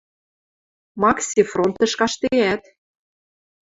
Макси фронтыш каштдеӓт.